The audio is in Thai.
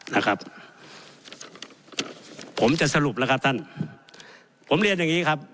นะครับผมจะสรุปแล้วครับท่านผมเรียนอย่างงี้ครับ